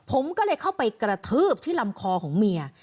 ผมก็เลยเข้าไปกระทืบที่ลำคอของเมีย